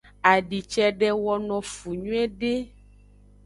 Adi cede wono fu nyuiede.